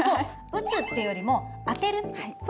打つっていうよりも当てるっていう。